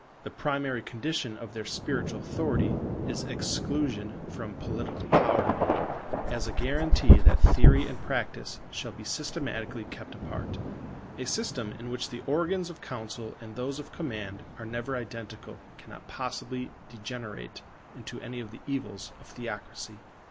The primary condition of their spiritual authority is exclusion from political power, as a guarantee that theory and practice shall be systematically kept apart. A system in which the organs of counsel and those of command are never identical cannot possibly degenerate into any of the evils of theocracy.